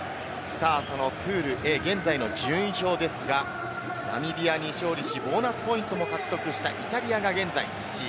プールＡ、現在の順位表ですが、ナミビアに勝利し、ボーナスポイントも獲得したイタリアが現在１位。